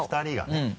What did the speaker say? ２人がね。